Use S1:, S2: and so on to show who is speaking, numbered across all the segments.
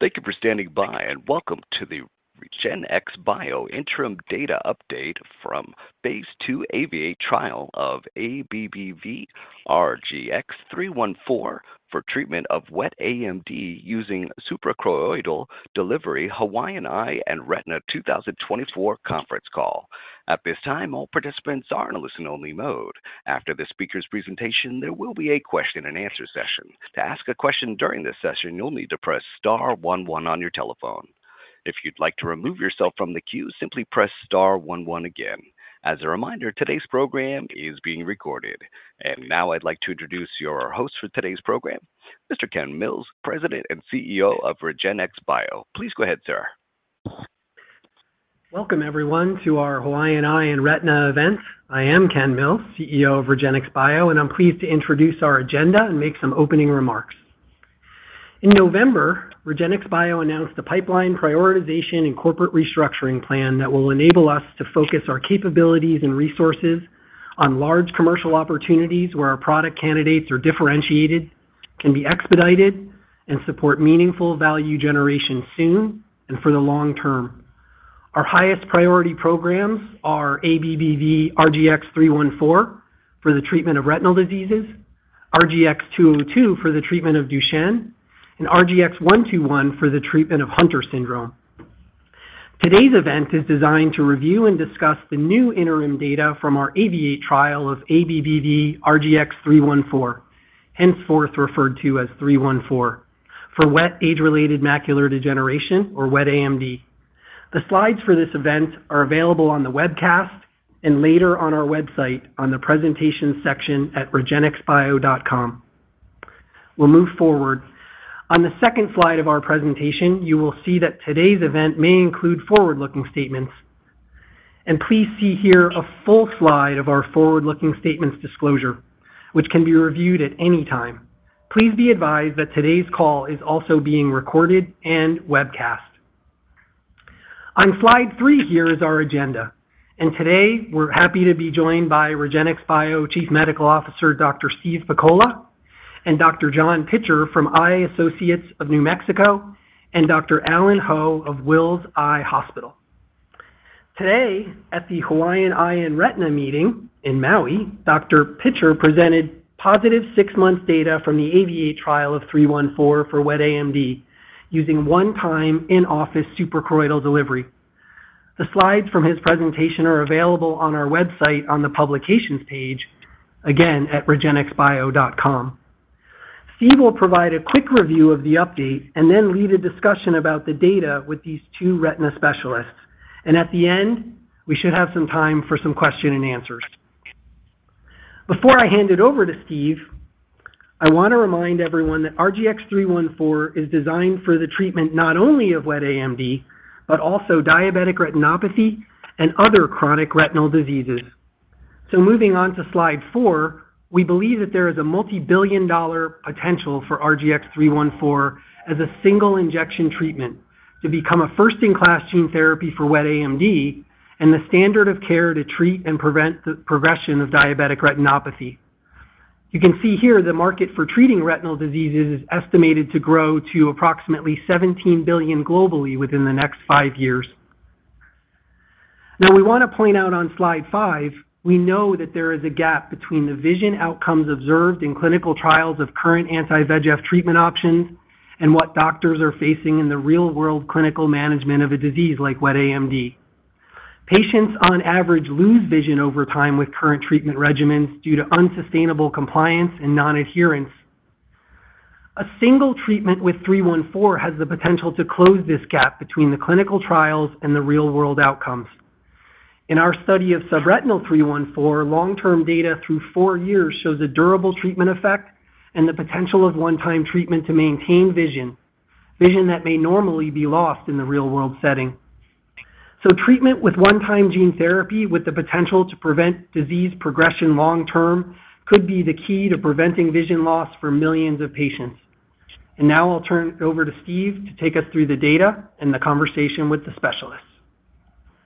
S1: Thank you for standing by, and welcome to the REGENXBIO Interim Data Update from Phase II AVA trial of ABBV-RGX-314 for treatment of wet AMD using suprachoroidal delivery, Hawaiian Eye and Retina 2024 conference call. At this time, all participants are in a listen-only mode. After the speaker's presentation, there will be a question-and-answer session. To ask a question during this session, you'll need to press star one one on your telephone. If you'd like to remove yourself from the queue, simply press star one one again. As a reminder, today's program is being recorded. Now I'd like to introduce your host for today's program, Mr. Ken Mills, President and CEO of REGENXBIO. Please go ahead, sir.
S2: Welcome, everyone, to our Hawaiian Eye and Retina event. I am Ken Mills, CEO of REGENXBIO, and I'm pleased to introduce our agenda and make some opening remarks. In November, REGENXBIO announced the pipeline prioritization and corporate restructuring plan that will enable us to focus our capabilities and resources on large commercial opportunities where our product candidates are differentiated, can be expedited, and support meaningful value generation soon and for the long term. Our highest priority programs are ABBV-RGX-314 for the treatment of retinal diseases, RGX-202 for the treatment of Duchenne, and RGX-121 for the treatment of Hunter syndrome. Today's event is designed to review and discuss the new interim data from our AVA trial of ABBV-RGX-314, henceforth referred to as 314, for wet age-related macular degeneration or wet AMD. The slides for this event are available on the webcast and later on our website on the Presentation section at regenxbio.com. We'll move forward. On the second slide of our presentation, you will see that today's event may include forward-looking statements. Please see here a full slide of our forward-looking statements disclosure, which can be reviewed at any time. Please be advised that today's call is also being recorded and webcast. On slide three here is our agenda, and today we're happy to be joined by REGENXBIO Chief Medical Officer, Dr. Steve Pakola; and Dr. John Pitcher from Eye Associates of New Mexico; and Dr. Allen Ho of Wills Eye Hospital. Today, at the Hawaiian Eye and Retina Meeting in Maui, Dr. Pitcher presented positive six-month data from the AVA trial of 314 for wet AMD, using one time in-office suprachoroidal delivery. The slides from his presentation are available on our website on the Publications page, again, at REGENXBIO.com. Steve will provide a quick review of the update and then lead a discussion about the data with these two retina specialists. At the end, we should have some time for some question and answers. Before I hand it over to Steve, I want to remind everyone that RGX-314 is designed for the treatment not only of wet AMD, but also diabetic retinopathy and other chronic retinal diseases. Moving on to slide four, we believe that there is a multibillion-dollar potential for RGX-314 as a single injection treatment to become a first-in-class gene therapy for wet AMD and the standard of care to treat and prevent the progression of diabetic retinopathy. You can see here the market for treating retinal diseases is estimated to grow to approximately $17 billion globally within the next five years. Now, we want to point out on slide five, we know that there is a gap between the vision outcomes observed in clinical trials of current anti-VEGF treatment options and what doctors are facing in the real-world clinical management of a disease like wet AMD. Patients on average, lose vision over time with current treatment regimens due to unsustainable compliance and non-adherence. A single treatment with 314 has the potential to close this gap between the clinical trials and the real-world outcomes. In our study of subretinal 314, long-term data through 4 years shows a durable treatment effect and the potential of one-time treatment to maintain vision, vision that may normally be lost in the real-world setting. Treatment with one-time gene therapy, with the potential to prevent disease progression long term, could be the key to preventing vision loss for millions of patients. Now I'll turn it over to Steve to take us through the data and the conversation with the specialists.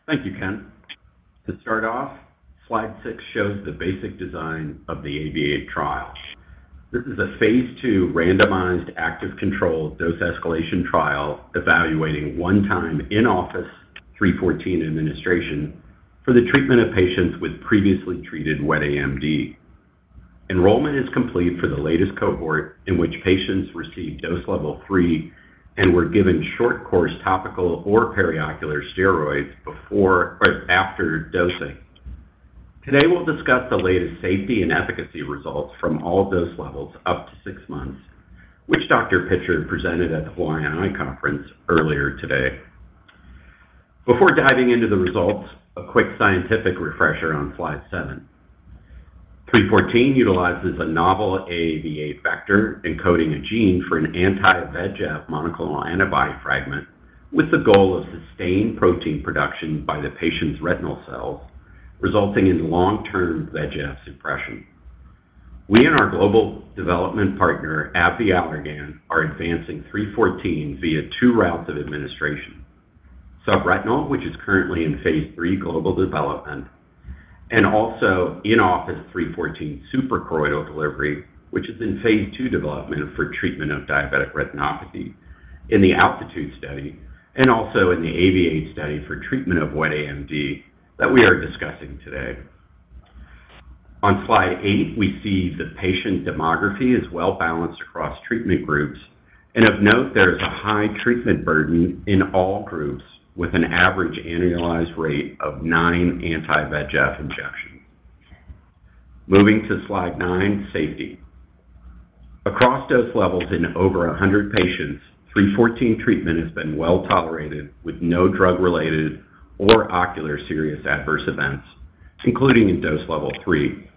S3: Thank you, Ken. To start off, slide six shows the basic design of the AVA trial. This is a phase II randomized active control dose escalation trial, evaluating one-time in-office 314 administration for the treatment of patients with previously treated wet AMD. Enrollment is complete for the latest cohort, in which patients received dose level 3 and were given short-course topical or periocular steroids before or after dosing. Today, we'll discuss the latest safety and efficacy results from all dose levels up to six months, which Dr. Pitcher presented at the Hawaiian Eye Conference earlier today. Before diving into the results, a quick scientific refresher on slide seven. 314 utilizes a novel AAV8 vector, encoding a gene for an anti-VEGF monoclonal antibody fragment with the goal of sustained protein production by the patient's retinal cells, resulting in long-term VEGF suppression. We and our global development partner, AbbVie, Allergan, are advancing 314 via two routes of administration: subretinal, which is currently in phase II global development, and also in-office 314 suprachoroidal delivery, which is in phase II development for treatment of diabetic retinopathy in the ALTITUDE study and also in the AVA study for treatment of wet AMD that we are discussing today. On slide eight, we see the patient demographics are well-balanced across treatment groups. Of note, there is a high treatment burden in all groups, with an average annualized rate of nine anti-VEGF injections. Moving to slide nine, safety. Across dose levels in over 100 patients, 314 treatment has been well tolerated, with no drug-related or ocular serious adverse events, including in dose level 3.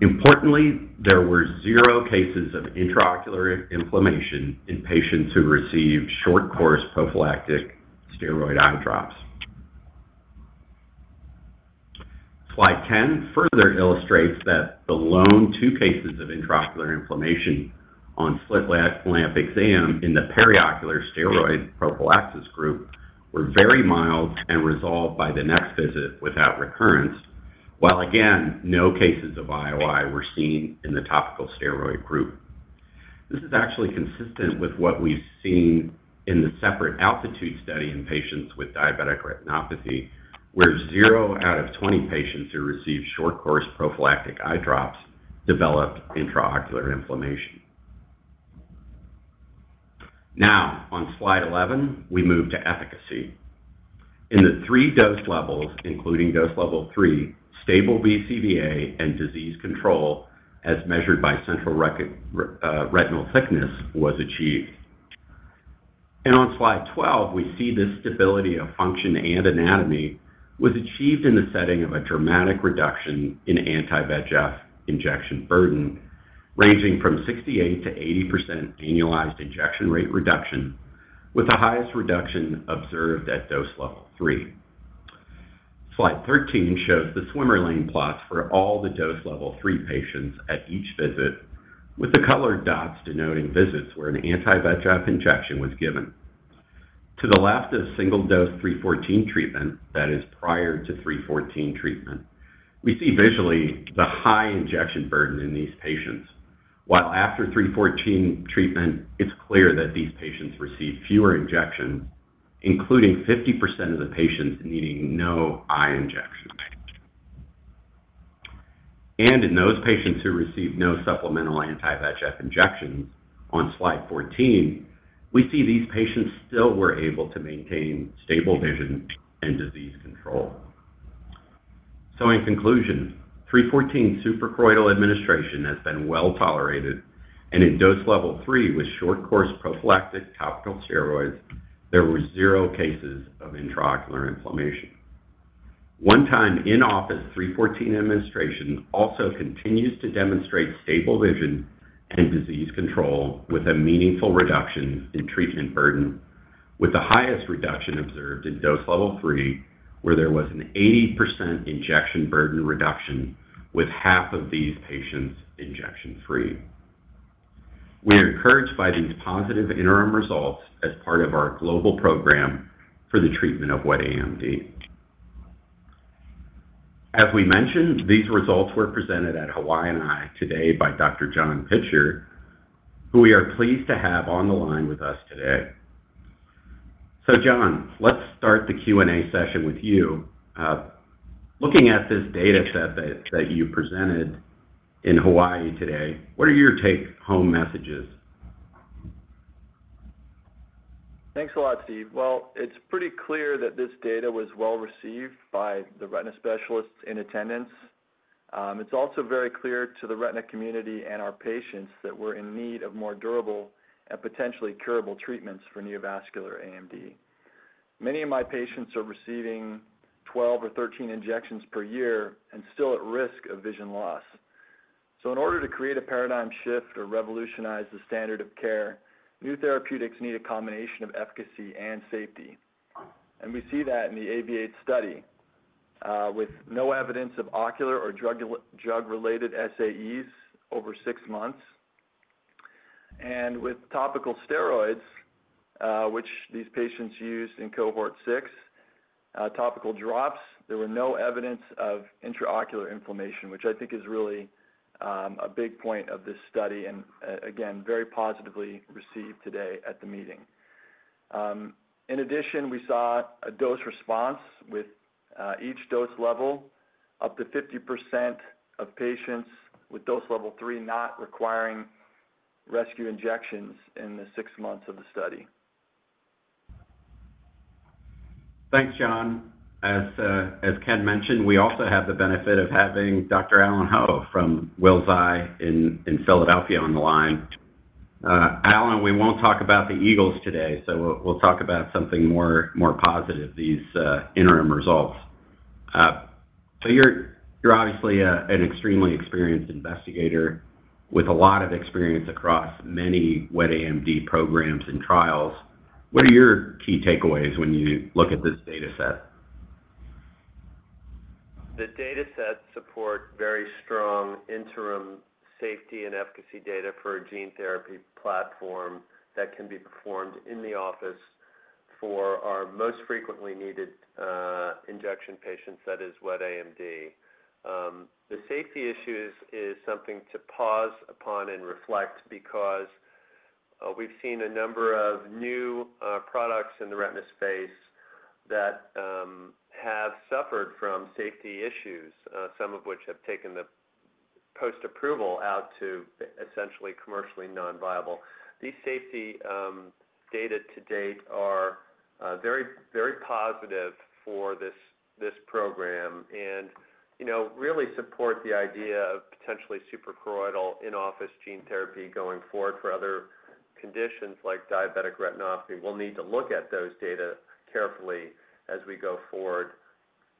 S3: Importantly, there were zero cases of intraocular inflammation in patients who received short-course prophylactic steroid eye drops. Slide 10 further illustrates that the lone two cases of intraocular inflammation on slit lamp exam in the periocular steroid prophylaxis group were very mild and resolved by the next visit without recurrence, while again, no cases of IOI were seen in the topical steroid group. This is actually consistent with what we've seen in the separate ALTITUDE study in patients with diabetic retinopathy, where zero out of 20 patients who received short-course prophylactic eye drops developed intraocular inflammation. Now, on slide 11, we move to efficacy. In the three dose levels, including dose level 3, stable BCVA and disease control, as measured by central retinal thickness, was achieved. On slide 12, we see this stability of function and anatomy was achieved in the setting of a dramatic reduction in anti-VEGF injection burden, ranging from 68%-80% annualized injection rate reduction, with the highest reduction observed at dose level 3. Slide 13 shows the swim lane plots for all the dose level 3 patients at each visit, with the colored dots denoting visits where an anti-VEGF injection was given. To the left is single-dose 314 treatment, that is prior to 314 treatment. We see visually the high injection burden in these patients, while after 314 treatment, it's clear that these patients received fewer injections, including 50% of the patients needing no eye injections. In those patients who received no supplemental anti-VEGF injections, on slide 14, we see these patients still were able to maintain stable vision and disease control. So in conclusion, 314 suprachoroidal administration has been well tolerated, and in dose level 3, with short-course prophylactic topical steroids, there were zero cases of intraocular inflammation. One time in-office 314 administration also continues to demonstrate stable vision and disease control, with a meaningful reduction in treatment burden, with the highest reduction observed in dose level 3, where there was an 80% injection burden reduction, with half of these patients injection-free. We are encouraged by these positive interim results as part of our global program for the treatment of wet AMD. As we mentioned, these results were presented at Hawaii Eye today by Dr. John Pitcher, who we are pleased to have on the line with us today. So John, let's start the Q&A session with you. Looking at this data set that you presented in Hawaii today, what are your take-home messages?
S4: Thanks a lot, Steve. Well, it's pretty clear that this data was well received by the retina specialists in attendance. It's also very clear to the retina community and our patients that we're in need of more durable and potentially curable treatments for neovascular AMD. Many of my patients are receiving 12 or 13 injections per year and still at risk of vision loss. So in order to create a paradigm shift or revolutionize the standard of care, new therapeutics need a combination of efficacy and safety. And we see that in the AVA study, with no evidence of ocular or drug-related SAEs over six months. With topical steroids, which these patients used in cohort six, topical drops, there were no evidence of intraocular inflammation, which I think is really a big point of this study, and again, very positively received today at the meeting. In addition, we saw a dose response with each dose level, up to 50% of patients with dose level 3 not requiring rescue injections in the 6 months of the study.
S3: Thanks, John. As Ken mentioned, we also have the benefit of having Dr. Allen Ho from Wills Eye in Philadelphia on the line. Allen, we won't talk about the Eagles today, so we'll talk about something more positive, these interim results. So you're obviously an extremely experienced investigator with a lot of experience across many wet AMD programs and trials. What are your key takeaways when you look at this data set?
S5: The data sets support very strong interim safety and efficacy data for a gene therapy platform that can be performed in the office for our most frequently needed injection patients, that is wet AMD. The safety issues is something to pause upon and reflect because we've seen a number of new products in the retina space that have suffered from safety issues, some of which have taken the post-approval out to essentially commercially non-viable. These safety data to date are very, very positive for this, this program and, you know, really support the idea of potentially suprachoroidal in-office gene therapy going forward for other conditions like diabetic retinopathy. We'll need to look at those data carefully as we go forward.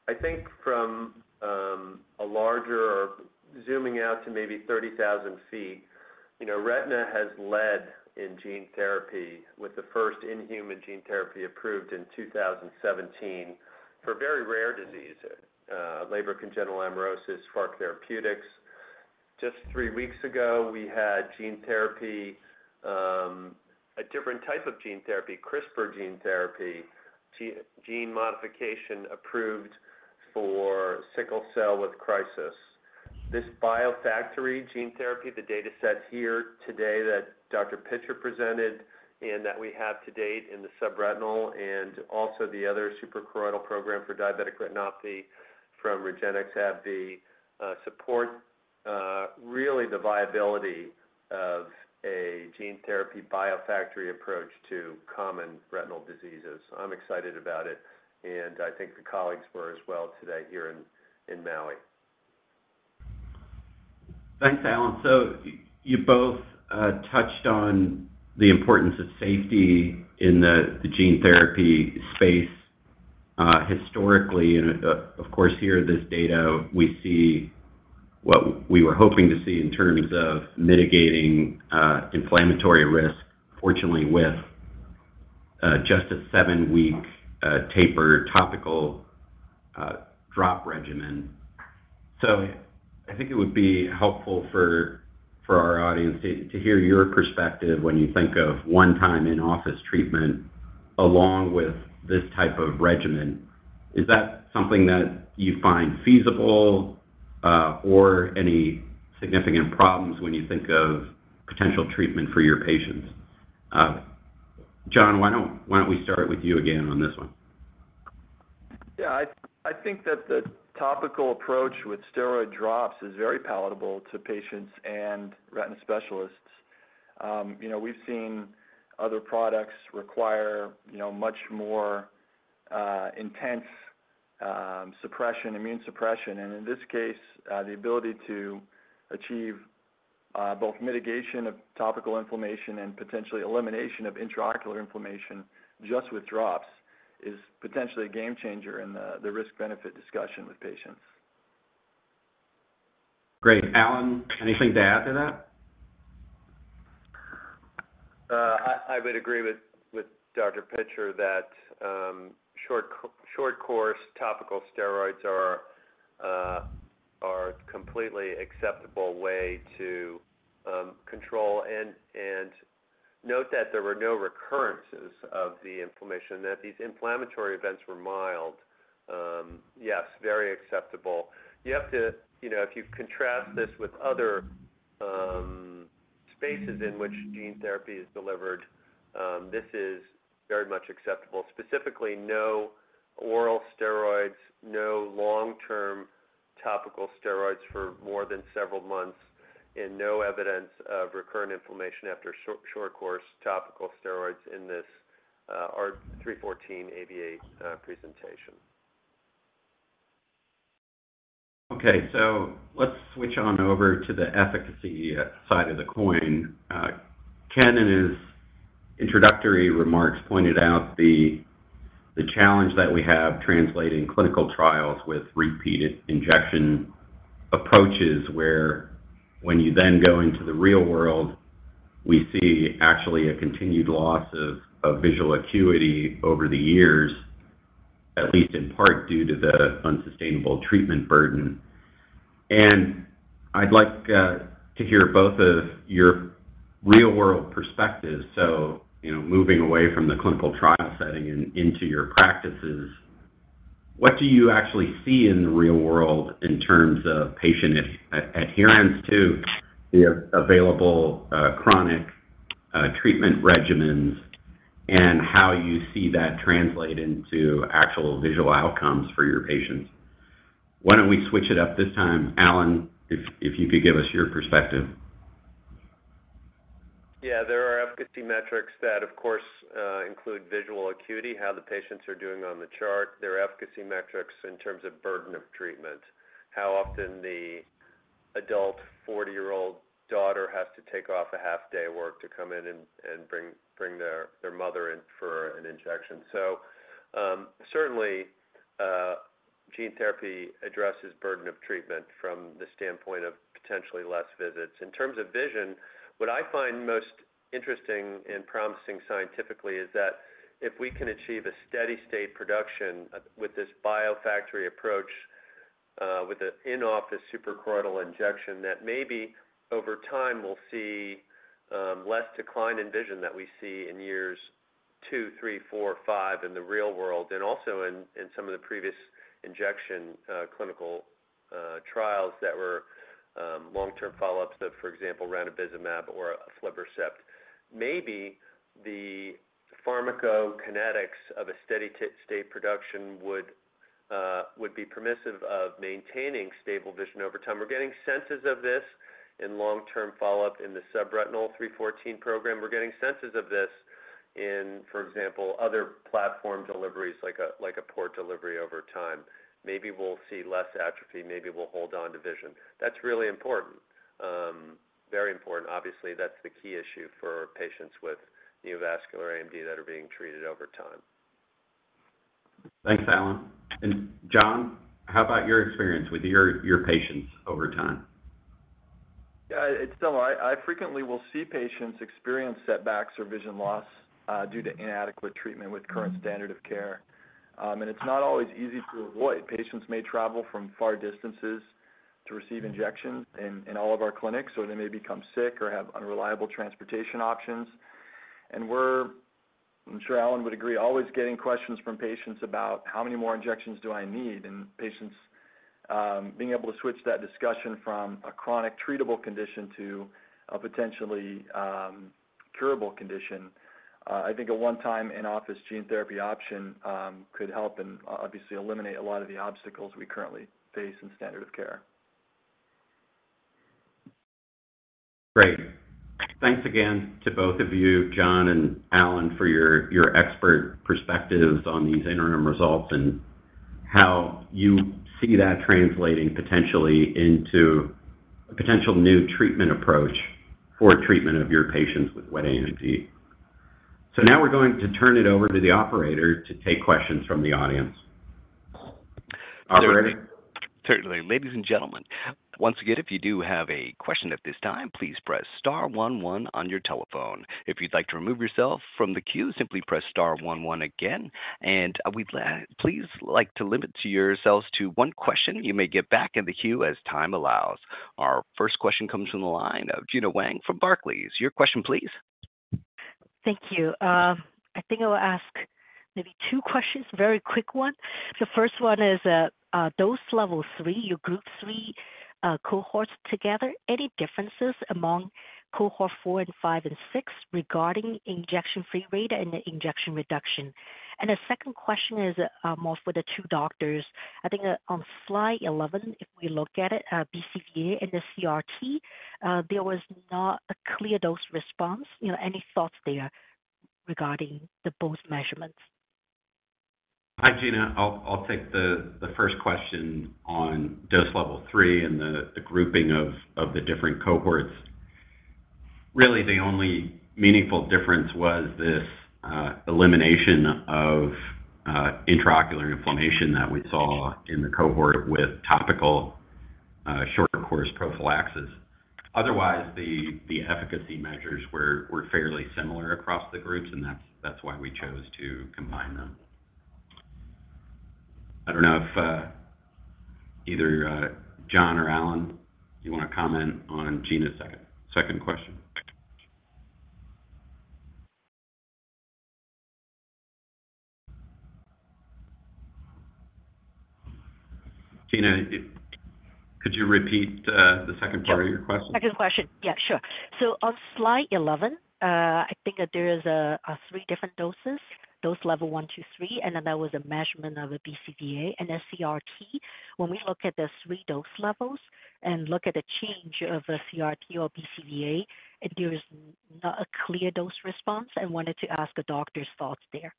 S5: I think from a larger, zooming out to maybe 30,000 feet, you know, retina has led in gene therapy with the first-in-human gene therapy approved in 2017 for a very rare disease, Leber congenital amaurosis, Spark Therapeutics. Just three weeks ago, we had gene therapy, a different type of gene therapy, CRISPR gene therapy, gene modification approved for sickle cell disease. This biofactory gene therapy, the data sets here today that Dr. Pitcher presented and that we have to date in the subretinal and also the other suprachoroidal program for diabetic retinopathy from REGENXBIO, have the support, really the viability of a gene therapy biofactory approach to common retinal diseases. I'm excited about it, and I think the colleagues were as well today here in Maui.
S3: Thanks, Allen. So you both touched on the importance of safety in the, the gene therapy space, historically. And of course, here, this data, we see what we were hoping to see in terms of mitigating inflammatory risk, fortunately, with just a 7-week taper topical drop regimen. So I think it would be helpful for our audience to hear your perspective when you think of one-time in-office treatment along with this type of regimen. Is that something that you find feasible, or any significant problems when you think of potential treatment for your patients? John, why don't we start with you again on this one?
S4: Yeah, I think that the topical approach with steroid drops is very palatable to patients and retina specialists. You know, we've seen other products require much more intense immune suppression. And in this case, the ability to achieve both mitigation of topical inflammation and potentially elimination of intraocular inflammation just with drops is potentially a game changer in the risk-benefit discussion with patients.
S3: Great. Allen, anything to add to that?
S5: I would agree with Dr. Pitcher that short course topical steroids are a completely acceptable way to control. And note that there were no recurrences of the inflammation, that these inflammatory events were mild. Yes, very acceptable. You have to. You know, if you contrast this with other spaces in which gene therapy is delivered, this is very much acceptable. Specifically, no oral steroids, no long-term topical steroids for more than several months, and no evidence of recurrent inflammation after short course topical steroids in this, our 314 AVA presentation.
S3: Okay, so let's switch on over to the efficacy side of the coin. Ken, in his introductory remarks, pointed out the challenge that we have translating clinical trials with repeated injection approaches, where when you then go into the real world, we see actually a continued loss of visual acuity over the years, at least in part, due to the unsustainable treatment burden. And I'd like to hear both of your real-world perspectives. So, you know, moving away from the clinical trial setting and into your practices, what do you actually see in the real world in terms of patient adherence to the available chronic treatment regimens, and how you see that translate into actual visual outcomes for your patients? Why don't we switch it up this time, Allen, if you could give us your perspective.
S5: Yeah. There are efficacy metrics that, of course, include visual acuity, how the patients are doing on the chart. There are efficacy metrics in terms of burden of treatment, how often the adult 40-year-old daughter has to take off a half day of work to come in and bring their mother in for an injection. So, certainly, gene therapy addresses burden of treatment from the standpoint of potentially less visits. In terms of vision, what I find most interesting and promising scientifically is that if we can achieve a steady state production with this biofactory approach. With the in-office suprachoroidal injection that maybe over time we'll see less decline in vision that we see in years 2, 3, 4, 5 in the real world, and also in some of the previous injection clinical trials that were long-term follow-ups of, for example, ranibizumab or aflibercept. Maybe the pharmacokinetics of a steady state production would be permissive of maintaining stable vision over time. We're getting senses of this in long-term follow-up in the subretinal 314 program. We're getting senses of this in, for example, other platform deliveries, like a port delivery over time. Maybe we'll see less atrophy, maybe we'll hold on to vision. That's really important. Very important. Obviously, that's the key issue for patients with neovascular AMD that are being treated over time.
S3: Thanks, Allen. And John, how about your experience with your patients over time?
S4: Yeah, it's still I frequently will see patients experience setbacks or vision loss due to inadequate treatment with current standard of care. And it's not always easy to avoid. Patients may travel from far distances to receive injections in all of our clinics, or they may become sick or have unreliable transportation options. And we're, I'm sure Allen would agree, always getting questions from patients about how many more injections do I need? And patients being able to switch that discussion from a chronic treatable condition to a potentially curable condition, I think a one-time in-office gene therapy option could help and obviously eliminate a lot of the obstacles we currently face in standard of care.
S3: Great. Thanks again to both of you, John and Allen, for your expert perspectives on these interim results and how you see that translating potentially into a potential new treatment approach for treatment of your patients with wet AMD. So now we're going to turn it over to the operator to take questions from the audience. Operator?
S1: Certainly. Ladies and gentlemen, once again, if you do have a question at this time, please press star one one on your telephone. If you'd like to remove yourself from the queue, simply press star one one again, and we'd please like to limit yourselves to one question. You may get back in the queue as time allows. Our first question comes from the line of Gena Wang from Barclays. Your question, please.
S6: Thank you. I think I will ask maybe two questions, very quick one. The first one is, dose level 3, you grouped 3 cohorts together. Any differences among cohorts 4 and 5 and 6 regarding injection-free rate and the injection reduction? And the second question is, more for the two doctors. I think on slide 11, if we look at it, BCVA and the CRT, there was not a clear dose response. You know, any thoughts there regarding the both measurements?
S3: Hi, Gena. I'll take the first question on dose level three and the grouping of the different cohorts. Really, the only meaningful difference was this elimination of intraocular inflammation that we saw in the cohort with topical short course prophylaxis. Otherwise, the efficacy measures were fairly similar across the groups, and that's why we chose to combine them. I don't know if either John or Allen, you want to comment on Gena's second question. Gena, could you repeat the second part of your question?
S6: Second question. Yeah, sure. So on slide 11, I think that there is a three different doses, dose level 1, 2, 3, and then there was a measurement of a BCVA and a CRT. When we look at the three dose levels and look at the change of a CRT or BCVA, there is not a clear dose response. I wanted to ask the doctor's thoughts there.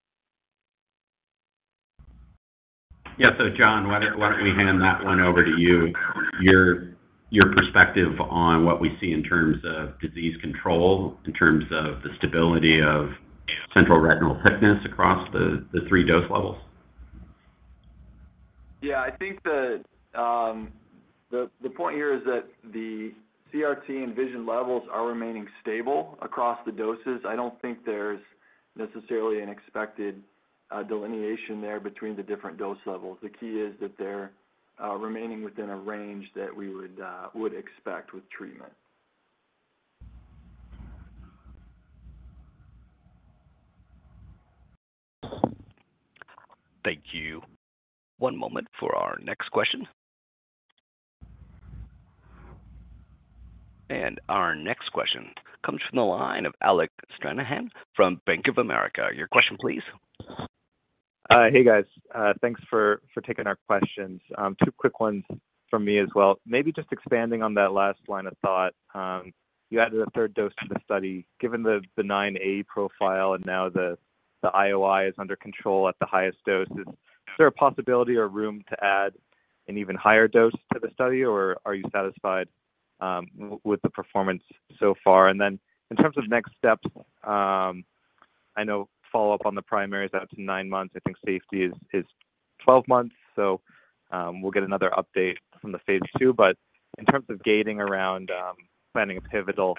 S3: Yeah, so John, why don't we hand that one over to you? Your perspective on what we see in terms of disease control, in terms of the stability of central retinal thickness across the three dose levels.
S4: Yeah. I think the point here is that the CRT and vision levels are remaining stable across the doses. I don't think there's necessarily an expected delineation there between the different dose levels. The key is that they're remaining within a range that we would expect with treatment.
S1: Thank you. One moment for our next question. Our next question comes from the line of Alec Stranahan from Bank of America. Your question, please.
S7: Hey, guys. Thanks for taking our questions. Two quick ones from me as well. Maybe just expanding on that last line of thought. You added a third dose to the study. Given the 9A profile and now the IOI is under control at the highest dose, is there a possibility or room to add an even higher dose to the study, or are you satisfied with the performance so far? And then in terms of next steps, I know follow-up on the primary is out to nine months. I think safety is 12 months, so we'll get another update from the phase II. But .In terms of gating around planning a pivotal,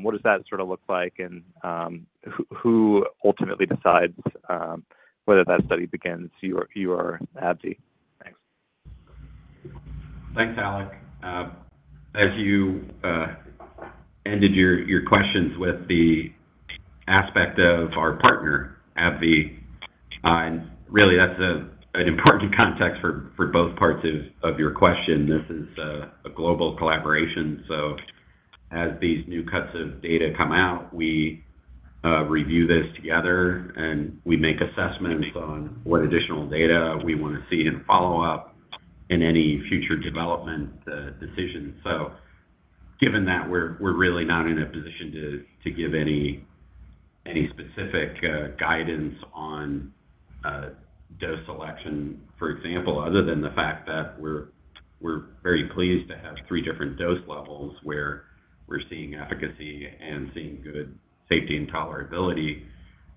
S7: what does that sort of look like? And who ultimately decides whether that study begins, you or AbbVie? Thanks.
S3: Thanks, Alec. As you ended your questions with the aspect of our partner, AbbVie, and really, that's an important context for both parts of your question. This is a global collaboration, so as these new cuts of data come out, we review this together, and we make assessments on what additional data we want to see in follow-up in any future development decisions. So given that, we're really not in a position to give any specific guidance on dose selection, for example, other than the fact that we're very pleased to have three different dose levels where we're seeing efficacy and seeing good safety and tolerability,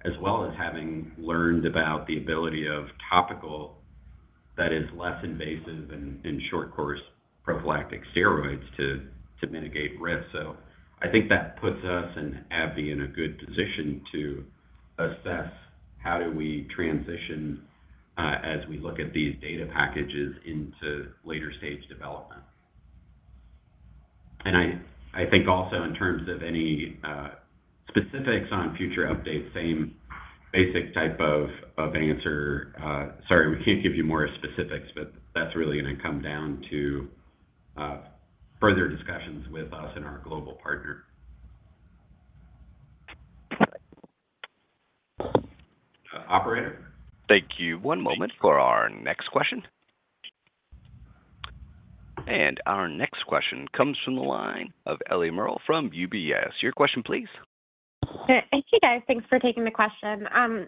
S3: as well as having learned about the ability of topical that is less invasive than in short course prophylactic steroids to mitigate risk. So I think that puts us and AbbVie in a good position to assess how do we transition, as we look at these data packages into later-stage development. And I think also in terms of any specifics on future updates, same basic type of answer. Sorry, we can't give you more specifics, but that's really going to come down to further discussions with us and our global partner. Operator?
S1: Thank you. One moment for our next question. Our next question comes from the line of Ellie Merle from UBS. Your question please.
S8: Thank you, guys. Thanks for taking the question.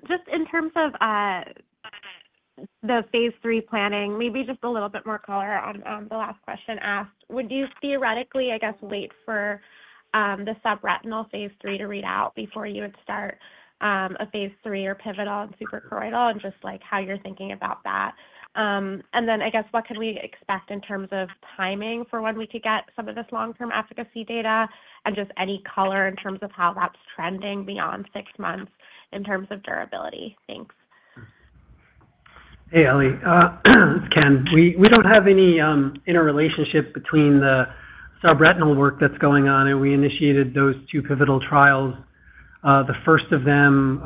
S8: Just in terms of the phase III planning, maybe just a little bit more color on the last question asked. Would you theoretically, I guess, wait for the subretinal phase III to read out before you would start a phase III or pivotal on suprachoroidal, and just, like, how you're thinking about that? And then I guess, what can we expect in terms of timing for when we could get some of this long-term efficacy data? And just any color in terms of how that's trending beyond six months in terms of durability. Thanks.
S2: Hey, Ellie. Ken. We don't have any interrelationship between the subretinal work that's going on, and we initiated those two pivotal trials, the first of them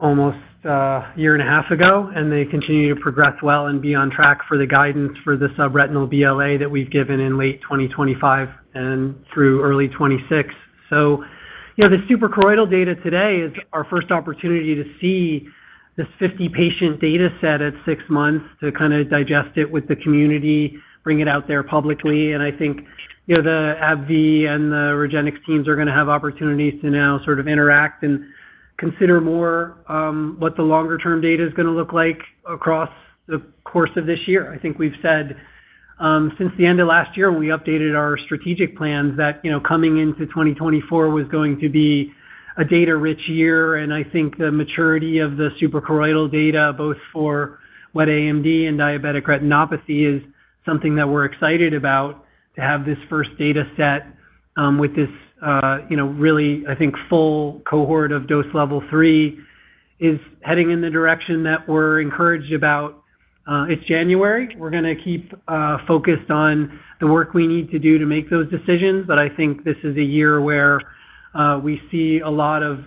S2: almost a year and a half ago, and they continue to progress well and be on track for the guidance for the subretinal BLA that we've given in late 2025 and through early 2026. So you know, the suprachoroidal data today is our first opportunity to see this 50-patient data set at six months, to kind of digest it with the community, bring it out there publicly. And I think, you know, the AbbVie and the REGENXBIO teams are going to have opportunities to now sort of interact and consider more what the longer-term data is going to look like across the course of this year. I think we've said, since the end of last year, we updated our strategic plans that, you know, coming into 2024 was going to be a data-rich year, and I think the maturity of the suprachoroidal data, both for wet AMD and diabetic retinopathy, is something that we're excited about to have this first data set, with this, you know, really, I think, full cohort of dose level 3, is heading in the direction that we're encouraged about. It's January. We're going to keep focused on the work we need to do to make those decisions, but I think this is a year where we see a lot of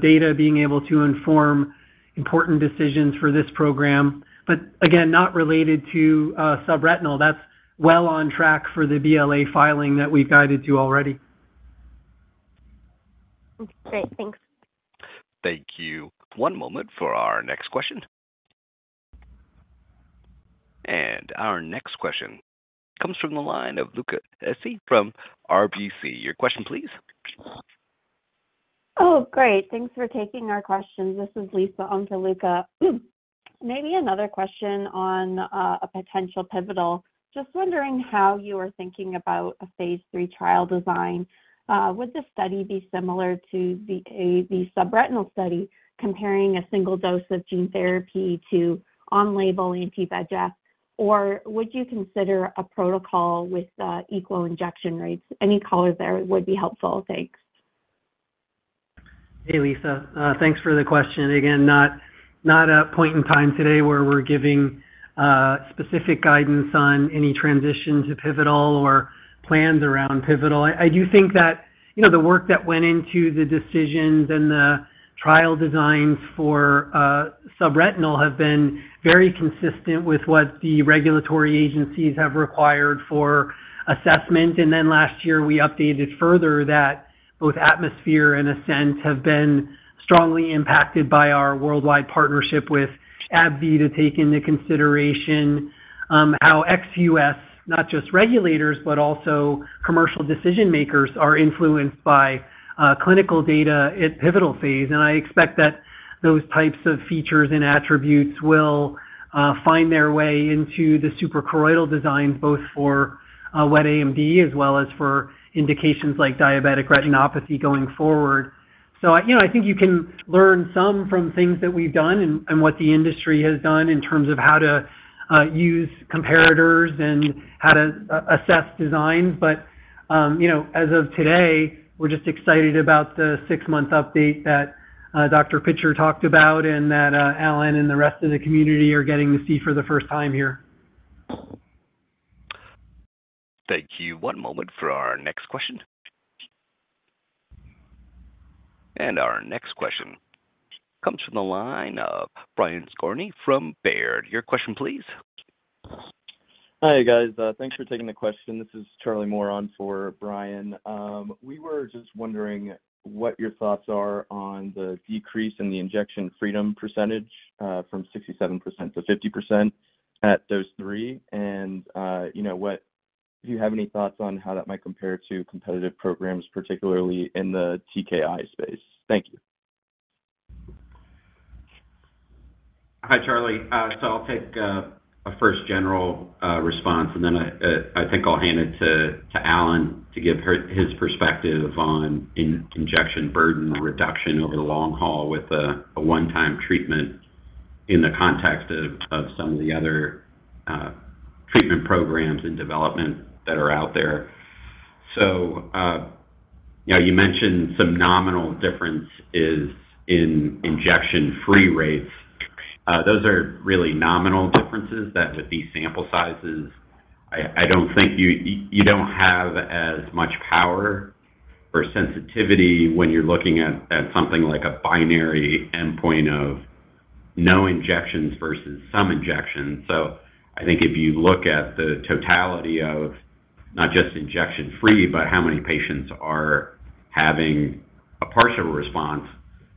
S2: data being able to inform important decisions for this program. But again, not related to subretinal. That's well on track for the BLA filing that we've guided you already.
S8: Great. Thanks.
S1: Thank you. One moment for our next question. Our next question comes from the line of Luca Issi from RBC. Your question please.
S9: Oh, great. Thanks for taking our questions. This is Lisa on for Luca. Maybe another question on a potential pivotal. Just wondering how you are thinking about a phase III trial design. Would the study be similar to the subretinal study, comparing a single dose of gene therapy to on-label anti-VEGF, or would you consider a protocol with equal injection rates? Any color there would be helpful. Thanks.
S2: Hey, Lisa. Thanks for the question. Again, not a point in time today where we're giving specific guidance on any transition to pivotal or plans around pivotal. I do think that, you know, the work that went into the decisions and the trial designs for subretinal have been very consistent with what the regulatory agencies have required for assessment. And then last year, we updated further that both ATMOSPHERE and ASCENT have been strongly impacted by our worldwide partnership with AbbVie to take into consideration how ex US, not just regulators, but also commercial decision-makers, are influenced by clinical data at pivotal phase. And I expect that those types of features and attributes will find their way into the suprachoroidal design, both for wet AMD as well as for indications like diabetic retinopathy going forward. So I, you know, I think you can learn some from things that we've done and, and what the industry has done in terms of how to, use comparators and how to, assess design. But, you know, as of today, we're just excited about the six-month update that, Dr. Pitcher talked about and that, Allen and the rest of the community are getting to see for the first time here.
S1: Thank you. One moment for our next question. Our next question comes from the line of Brian Skorney from Baird. Your question, please.
S10: Hi, guys. Thanks for taking the question. This is Charlie Moore on for Brian. We were just wondering what your thoughts are on the decrease in the injection freedom percentage from 67% to 50% at dose three. And you know, what do you have any thoughts on how that might compare to competitive programs, particularly in the TKI space? Thank you.
S3: Hi, Charlie. So I'll take a first general response, and then I think I'll hand it to Allen to give his perspective on injection burden reduction over the long haul with a one-time treatment in the context of some of the other treatment programs and development that are out there. So you know, you mentioned some nominal differences in injection-free rates. Those are really nominal differences that with these sample sizes, I don't think you have as much power or sensitivity when you're looking at something like a binary endpoint of no injections versus some injections. So I think if you look at the totality of not just injection-free, but how many patients are having a partial response,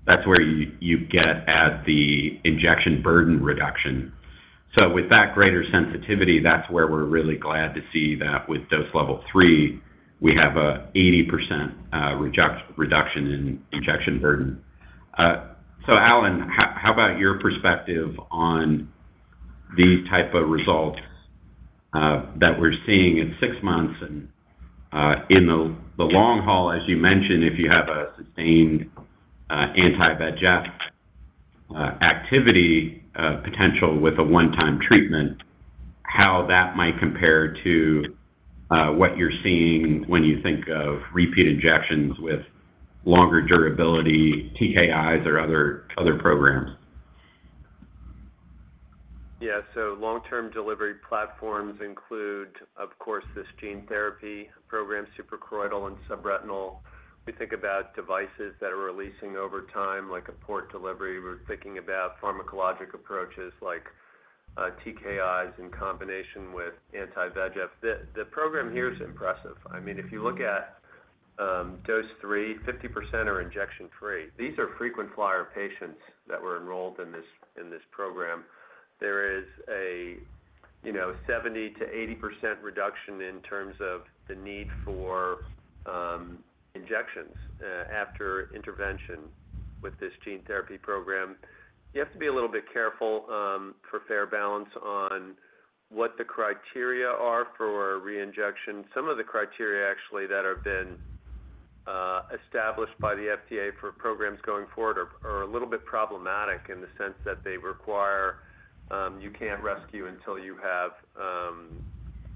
S3: that's where you get at the injection burden reduction. So with that greater sensitivity, that's where we're really glad to see that with dose level three, we have a 80% reduction in injection burden. So Allen, how about your perspective on the type of results that we're seeing in six months? And in the long haul, as you mentioned, if you have a sustained anti-VEGF activity potential with a one-time treatment, how that might compare to what you're seeing when you think of repeat injections with longer durability, TKIs or other programs?
S5: Yeah, so long-term delivery platforms include, of course, this gene therapy program, suprachoroidal and subretinal. We think about devices that are releasing over time, like a port delivery. We're thinking about pharmacologic approaches like TKIs in combination with anti-VEGF. The program here is impressive. I mean, if you look at dose three, 50% are injection-free. These are frequent flyer patients that were enrolled in this program. There is a, you know, 70%-80% reduction in terms of the need for injections after intervention with this gene therapy program. You have to be a little bit careful for fair balance on what the criteria are for reinjection. Some of the criteria, actually, that have been established by the FDA for programs going forward are a little bit problematic in the sense that they require you can't rescue until you have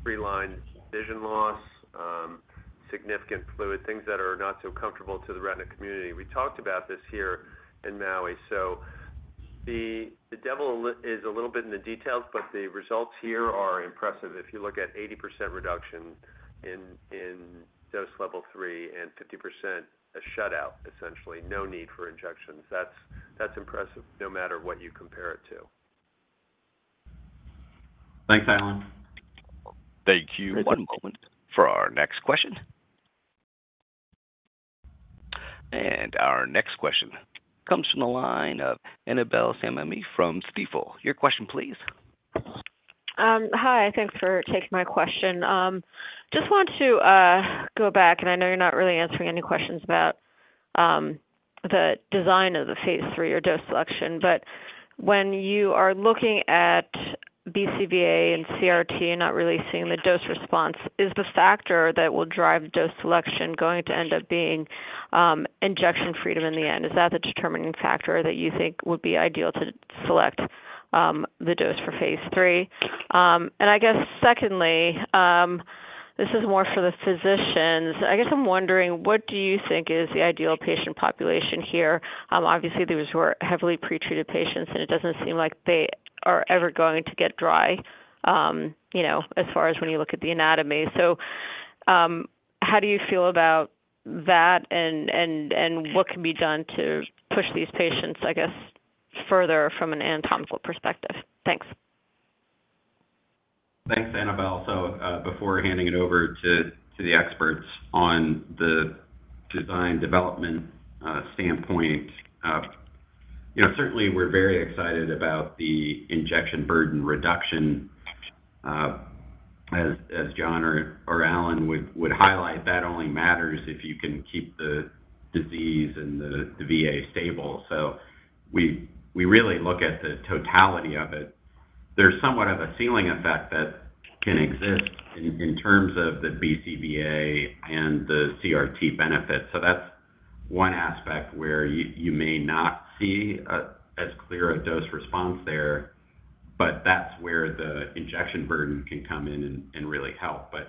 S5: three lines vision loss, significant fluid, things that are not so comfortable to the retina community. We talked about this here in Maui. So the devil is a little bit in the details, but the results here are impressive. If you look at 80% reduction in dose level 3 and 50%, a shutout, essentially, no need for injections. That's impressive, no matter what you compare it to.
S3: Thanks, Allen.
S1: Thank you. One moment for our next question. Our next question comes from the line of Annabel Samimy from Stifel. Your question, please.
S11: Hi, thanks for taking my question. Just want to go back, and I know you're not really answering any questions about the design of the phase III or dose selection. But when you are looking at BCVA and CRT and not really seeing the dose response, is the factor that will drive dose selection going to end up being injection freedom in the end? Is that the determining factor that you think would be ideal to select the dose for phase III? And I guess secondly, this is more for the physicians. I guess I'm wondering, what do you think is the ideal patient population here? Obviously, these were heavily pretreated patients, and it doesn't seem like they are ever going to get dry, you know, as far as when you look at the anatomy. So, how do you feel about that, and what can be done to push these patients, I guess, further from an anatomical perspective? Thanks.
S3: Thanks, Annabel. So, before handing it over to the experts on the design development standpoint, you know, certainly we're very excited about the injection burden reduction. As John or Allen would highlight, that only matters if you can keep the disease and the VA stable. So we really look at the totality of it. There's somewhat of a ceiling effect that can exist in terms of the BCVA and the CRT benefits. So that's one aspect where you may not see as clear a dose response there, but that's where the injection burden can come in and really help. But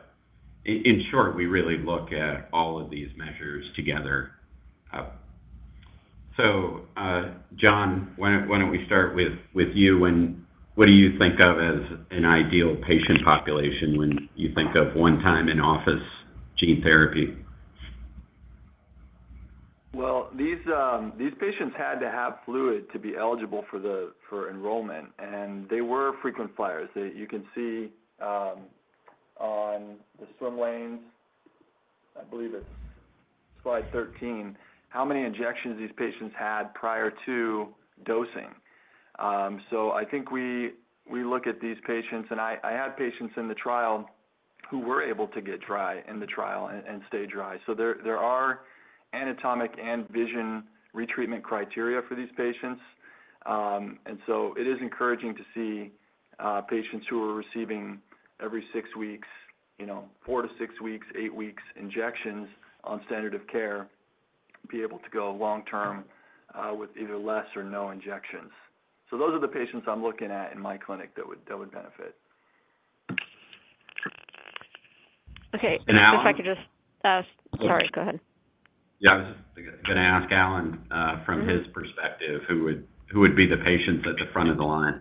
S3: in short, we really look at all of these measures together. John, why don't we start with you, and what do you think of as an ideal patient population when you think of one time in-office gene therapy?
S4: Well, these patients had to have fluid to be eligible for the enrollment, and they were frequent flyers. They. You can see on the swim lanes, I believe it's slide 13, how many injections these patients had prior to dosing. So I think we look at these patients, and I had patients in the trial who were able to get dry in the trial and stay dry. So, there are anatomic and vision retreatment criteria for these patients. And so it is encouraging to see patients who are receiving every 6 weeks, you know, 4 weeks-6 weeks, 8 weeks, injections on standard of care, be able to go long term with either less or no injections. So those are the patients I'm looking at in my clinic that would benefit.
S11: Okay.
S3: And now-
S11: If I could just, sorry, go ahead.
S3: Yeah, I was gonna ask Allen, from his perspective, who would, who would be the patients at the front of the line?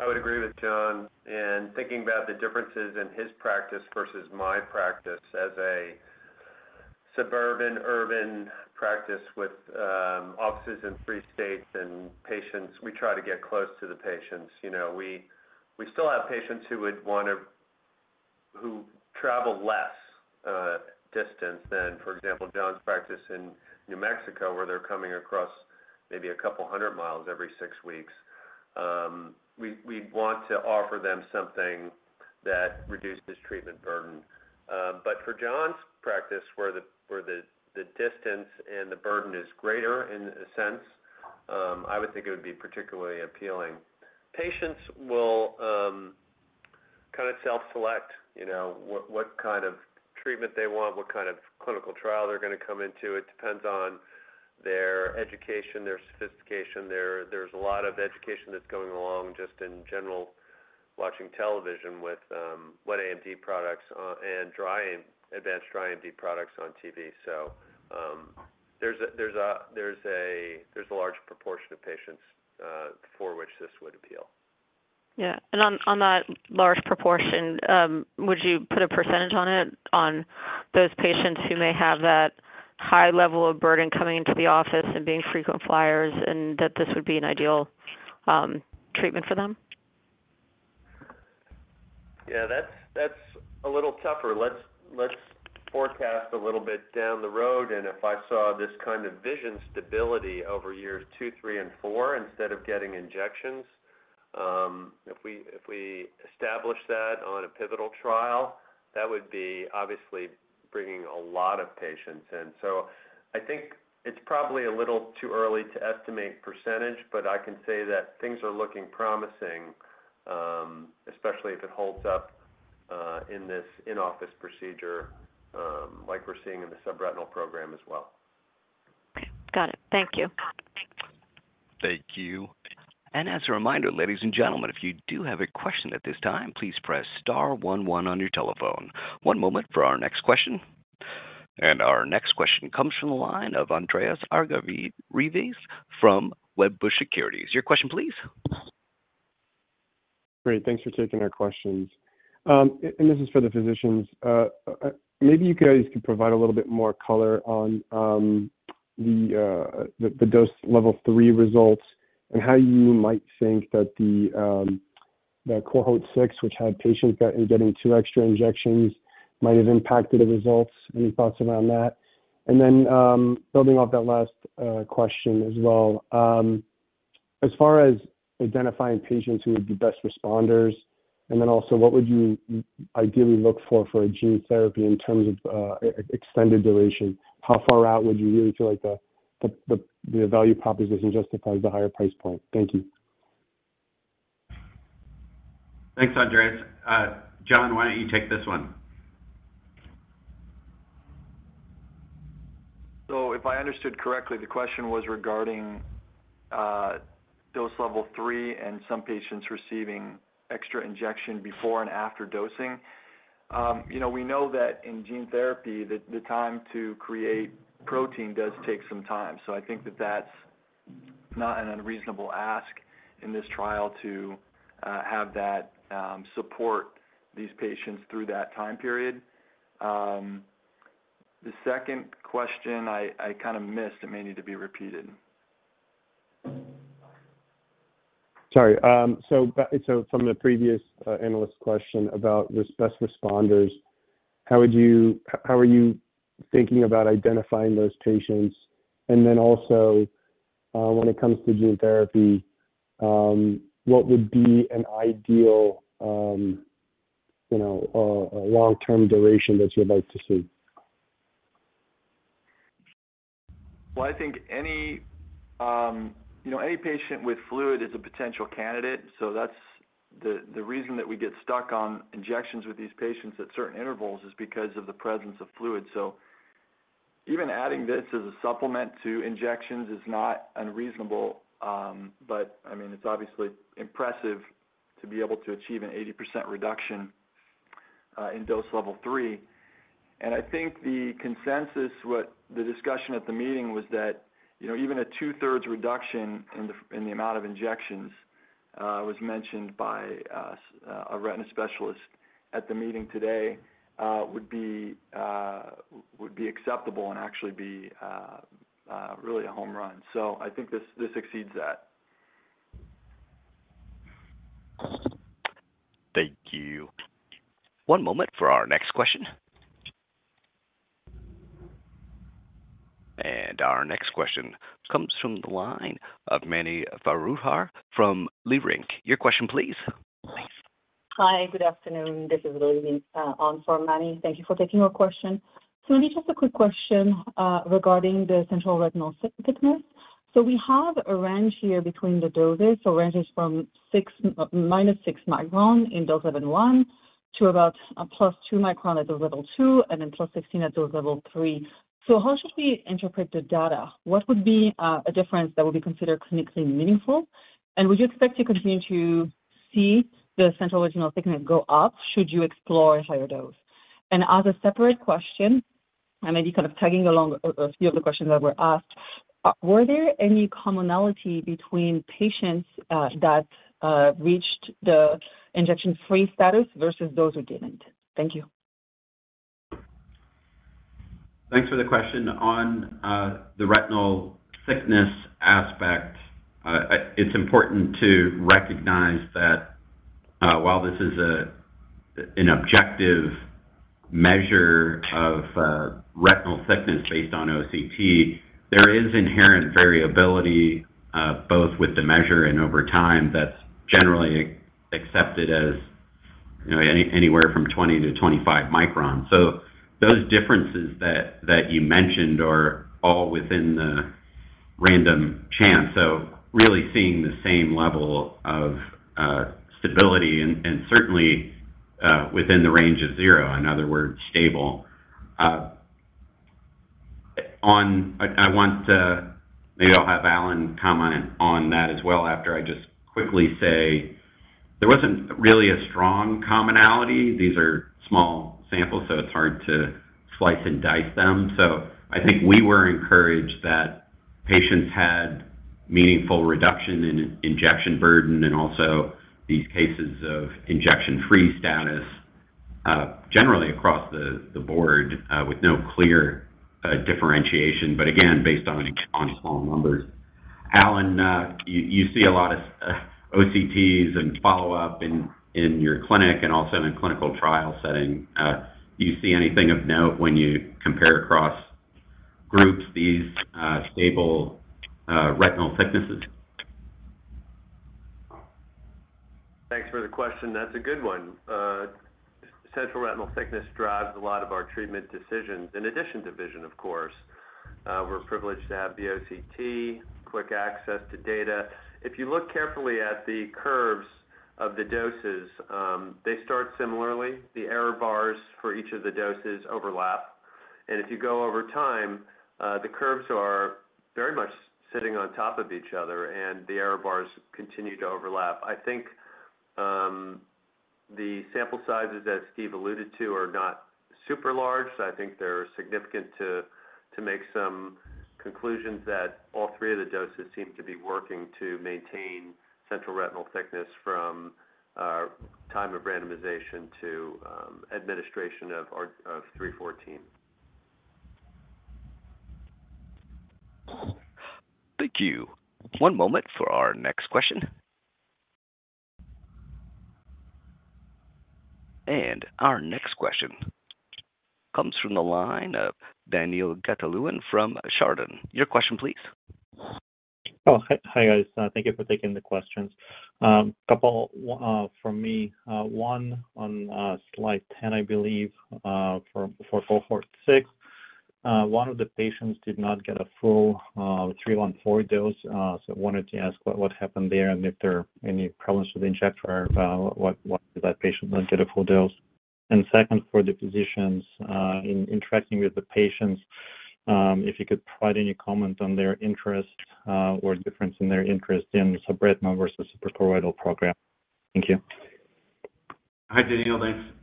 S5: I would agree with John, and thinking about the differences in his practice versus my practice as a suburban, urban practice with offices in three states and patients, we try to get close to the patients. You know, we still have patients who would want to who travel less distance than, for example, John's practice in New Mexico, where they're coming across maybe a couple hundred miles every six weeks. We want to offer them something that reduces treatment burden. But for John's practice, where the distance and the burden is greater in a sense, I would think it would be particularly appealing. Patients will kind of self-select, you know, what kind of treatment they want, what kind of clinical trial they're going to come into. It depends on their education, their sophistication. There's a lot of education that's going along, just in general, watching television with wet AMD products and advanced dry AMD products on TV. So, there's a large proportion of patients for which this would appeal.
S11: Yeah. And on that large proportion, would you put a percentage on it, on those patients who may have that high level of burden coming into the office and being frequent flyers, and that this would be an ideal treatment for them?
S5: Yeah, that's a little tougher. Let's forecast a little bit down the road, and if I saw this kind of vision stability over years two, three, and four, instead of getting injections, if we establish that on a pivotal trial, that would be obviously bringing a lot of patients in. So I think it's probably a little too early to estimate percentage, but I can say that things are looking promising, especially if it holds up in this in-office procedure, like we're seeing in the subretinal program as well.
S11: Okay, got it. Thank you.
S1: Thank you. As a reminder, ladies and gentlemen, if you do have a question at this time, please press star one, one on your telephone. One moment for our next question. Our next question comes from the line of Andreas Argyrides from Wedbush Securities. Your question please.
S12: Great, thanks for taking our questions. And this is for the physicians. Maybe you guys could provide a little bit more color on the dose level 3 results and how you might think that the cohort six, which had patients getting two extra injections, might have impacted the results. Any thoughts around that? And then, building off that last question as well, as far as identifying patients who would be best responders, and then also, what would you ideally look for a gene therapy in terms of extended duration? How far out would you really feel like the value proposition justifies the higher price point? Thank you.
S3: Thanks, Andreas. John, why don't you take this one?
S4: So if I understood correctly, the question was regarding dose level 3 and some patients receiving extra injection before and after dosing. You know, we know that in gene therapy, that the time to create protein does take some time. So I think that that's not an unreasonable ask in this trial to have that support these patients through that time period. The second question, I kind of missed. It may need to be repeated.
S12: Sorry. So from the previous analyst question about the best responders, how would you. How are you thinking about identifying those patients? And then also, when it comes to gene therapy, what would be an ideal, you know, a long-term duration that you'd like to see?
S4: Well, I think any, you know, any patient with fluid is a potential candidate, so that's the reason that we get stuck on injections with these patients at certain intervals is because of the presence of fluid. So even adding this as a supplement to injections is not unreasonable, but I mean, it's obviously impressive to be able to achieve an 80% reduction in dose level three. And I think the consensus, what the discussion at the meeting was that, you know, even a two-thirds reduction in the amount of injections was mentioned by a retina specialist at the meeting today would be acceptable and actually be really a home run. So I think this exceeds that.
S1: Thank you. One moment for our next question. Our next question comes from the line of Mani Foroohar from Leerink. Your question, please.
S13: Hi, good afternoon. This is Leerink, on for Mani. Thank you for taking our question. So let me just a quick question regarding the central retinal thickness. So we have a range here between the doses. So ranges from -6 micron in dose level 1, to about a +2 micron at the level 2, and then +16 at dose level 3. So how should we interpret the data? What would be a difference that would be considered clinically meaningful? And would you expect to continue to see the central retinal thickness go up, should you explore a higher dose? And as a separate question, I may be kind of tagging along a few of the questions that were asked, were there any commonality between patients that reached the injection-free status versus those who didn't? Thank you.
S3: Thanks for the question. On the retinal thickness aspect, it's important to recognize that while this is an objective measure of retinal thickness based on OCT, there is inherent variability both with the measure and over time, that's generally accepted as, you know, anywhere from 20 microns-25 microns. So those differences that you mentioned are all within the random chance. So really seeing the same level of stability and certainly within the range of zero, in other words, stable. On. I want to maybe I'll have Allen comment on that as well, after I just quickly say there wasn't really a strong commonality. These are small samples, so it's hard to slice and dice them. So I think we were encouraged that patients had meaningful reduction in injection burden and also these cases of injection-free status, generally across the board, with no clear differentiation, but again, based on small numbers. Allen, you see a lot of OCTs and follow-up in your clinic and also in a clinical trial setting. Do you see anything of note when you compare across groups, these stable retinal thicknesses?
S4: Thanks for the question. That's a good one. Central retinal thickness drives a lot of our treatment decisions, in addition to vision, of course. We're privileged to have the OCT, quick access to data. If you look carefully at the curves of the doses, they start similarly. The error bars for each of the doses overlap, and if you go over time, the curves are very much sitting on top of each other, and the error bars continue to overlap. I think, the sample sizes that Steve alluded to are not super large. I think they're significant to make some conclusions that all three of the doses seem to be working to maintain central retinal thickness from time of randomization to administration of our three fourteen.
S1: Thank you. One moment for our next question. And our next question comes from the line of Daniil Gataulin from Chardan. Your question, please.
S14: Oh, hi, guys. Thank you for taking the questions. A couple from me. One on slide 10, I believe, for cohort six. One of the patients did not get a full 314 dose. So wanted to ask what happened there, and if there are any problems with the injector, why did that patient not get a full dose? And second, for the physicians, in interacting with the patients, if you could provide any comment on their interest, or difference in their interest in subretinal versus suprachoroidal program. Thank you.
S3: Hi, Daniil. Thanks,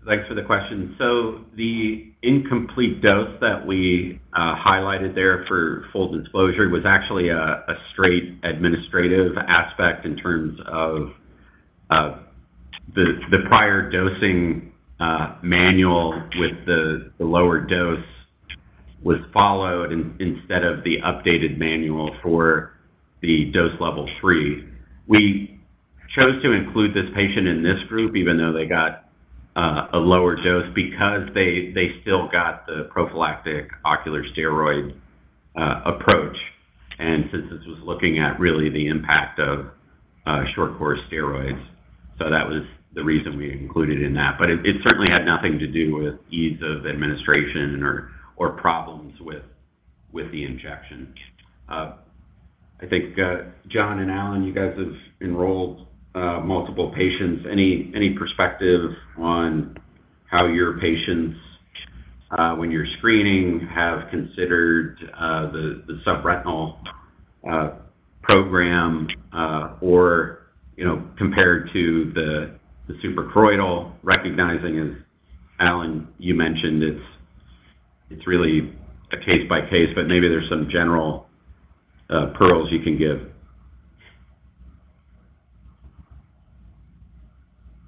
S3: thanks for the question. So the incomplete dose that we highlighted there for full disclosure was actually a straight administrative aspect in terms of the prior dosing manual with the lower dose was followed instead of the updated manual for the dose level three. We chose to include this patient in this group, even though they got a lower dose, because they still got the prophylactic ocular steroid approach. And since this was looking at really the impact of short-course steroids. So that was the reason we included in that. But it certainly had nothing to do with ease of administration or problems with the injection. I think John and Allen, you guys have enrolled multiple patients. Any perspective on how your patients, when you're screening, have considered the subretinal program, or, you know, compared to the suprachoroidal, recognizing, as Allen, you mentioned, it's really a case by case, but maybe there's some general pearls you can give?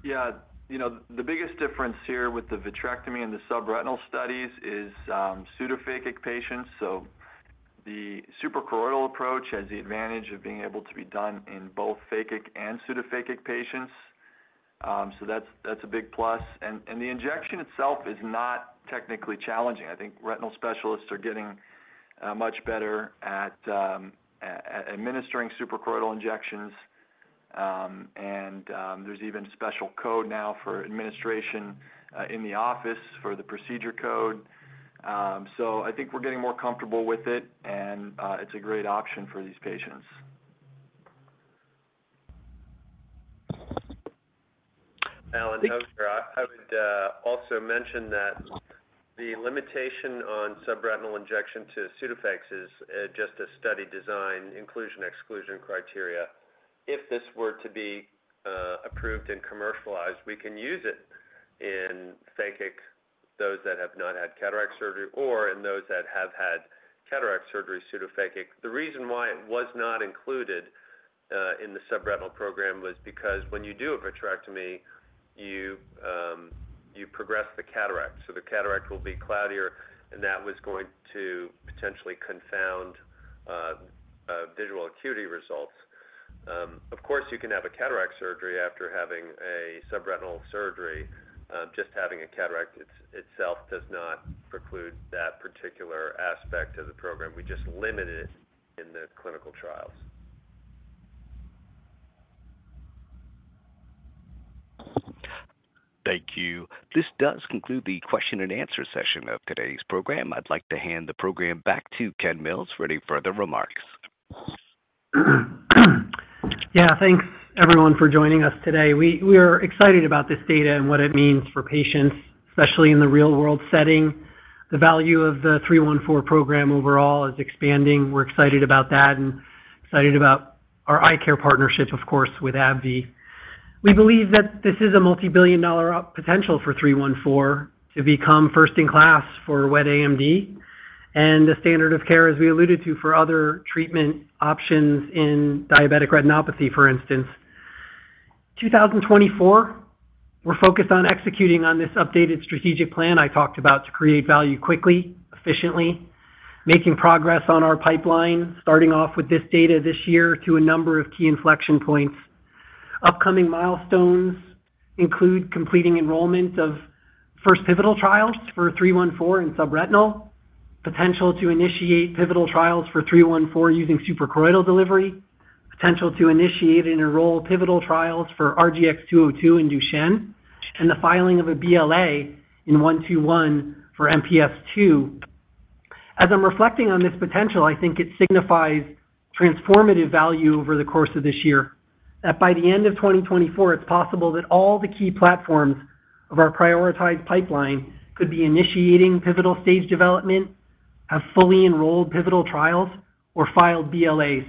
S4: Yeah. You know, the biggest difference here with the vitrectomy and the subretinal studies is pseudophakic patients. So the suprachoroidal approach has the advantage of being able to be done in both phakic and pseudophakic patients. So that's, that's a big plus. And the injection itself is not technically challenging. I think retinal specialists are getting much better at administering suprachoroidal injections. And there's even special code now for administration in the office for the procedure code. So I think we're getting more comfortable with it, and it's a great option for these patients.
S5: Allen, I would also mention that the limitation on subretinal injection to pseudophakics is just a study design, inclusion, exclusion criteria. If this were to be approved and commercialized, we can use it in phakic, those that have not had cataract surgery or in those that have had cataract surgery, pseudophakic. The reason why it was not included in the subretinal program was because when you do a vitrectomy, you progress the cataract, so the cataract will be cloudier, and that was going to potentially confound visual acuity results. Of course, you can have a cataract surgery after having a subretinal surgery. Just having a cataract itself does not preclude that particular aspect of the program. We just limited it in the clinical trials.
S1: Thank you. This does conclude the question and answer session of today's program. I'd like to hand the program back to Ken Mills for any further remarks.
S2: Yeah. Thanks, everyone, for joining us today. We are excited about this data and what it means for patients, especially in the real-world setting. The value of the 314 program overall is expanding. We're excited about that and excited about our eye care partnership, of course, with AbbVie. We believe that this is a multibillion-dollar potential for 314 to become first in class for wet AMD and the standard of care, as we alluded to, for other treatment options in diabetic retinopathy, for instance. 2024, we're focused on executing on this updated strategic plan I talked about to create value quickly, efficiently, making progress on our pipeline, starting off with this data this year to a number of key inflection points. Upcoming milestones include completing enrollment of first pivotal trials for 314 in subretinal, potential to initiate pivotal trials for 314 using suprachoroidal delivery, potential to initiate and enroll pivotal trials for RGX-202 in Duchenne, and the filing of a BLA in 121 for MPS II. As I'm reflecting on this potential, I think it signifies transformative value over the course of this year, that by the end of 2024, it's possible that all the key platforms of our prioritized pipeline could be initiating pivotal stage development, have fully enrolled pivotal trials, or filed BLAs.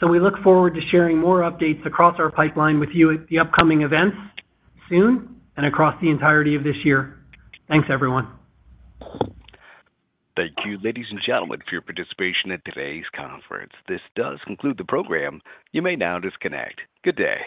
S2: So we look forward to sharing more updates across our pipeline with you at the upcoming events soon and across the entirety of this year. Thanks, everyone.
S1: Thank you, ladies and gentlemen, for your participation in today's conference. This does conclude the program. You may now disconnect. Good day.